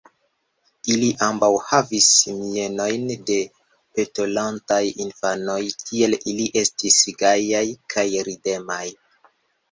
Ili ambaŭ havis mienojn de petolantaj infanoj, tiel ili estis gajaj kaj ridemaj.